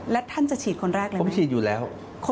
แล้วท่านจะฉีดคนแรกเลยไหมคนแรกเลยไหมผมฉีดอยู่แล้ว